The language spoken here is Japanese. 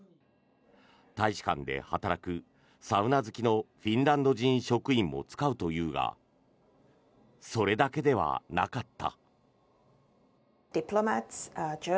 大使館で働くサウナ好きのフィンランド人職員も使うというがそれだけではなかった。